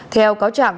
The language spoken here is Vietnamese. theo cáo trạng